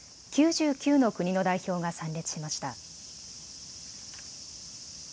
９９の国の代表が参列しました。